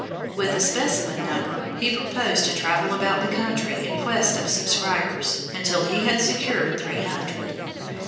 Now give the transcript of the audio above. With a specimen number he proposed to travel about the country in quest of subscribers until he had secured three hundred.